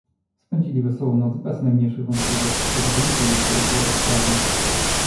"Spędzili wesołą noc bez najmniejszych wątpliwości co do wyniku jutrzejszej rozprawy."